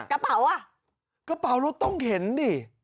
กระเป๋าลดตรงเห็นดิ